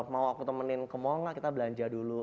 mau aku temenin kemau nggak kita belanja dulu